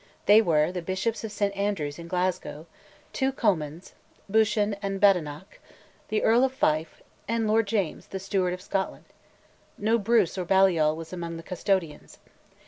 They were the Bishops of St Andrews and Glasgow, two Comyns (Buchan and Badenoch), the Earl of Fife, and Lord James, the Steward of Scotland. No Bruce or Baliol was among the Custodians.